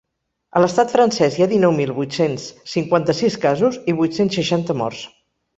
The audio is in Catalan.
A l’estat francès hi ha dinou mil vuit-cents cinquanta-sis casos i vuit-cents seixanta morts.